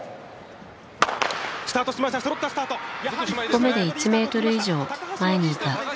１歩目で１ｍ以上前にいた。